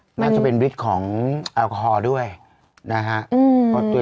น่าจะเป็นฤทธิ์ของแอลกอฮอล์ด้วยนะฮะ